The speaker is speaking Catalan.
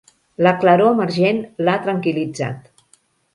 La claror emergent l'ha tranquil·litzat.